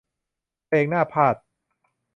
เพลงหน้าพาทย์